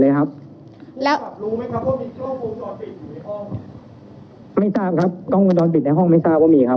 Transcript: ไม่ทราบครับกล้องกุมจอดปิดในห้องไม่ทราบว่ามีครับ